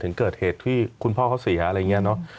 ถึงเกิดเหตุที่คุณพ่อเขาเสียอะไรอย่างนี้เนอะ